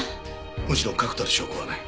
もちろん確たる証拠はない。